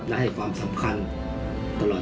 และให้ความสำคัญตลอด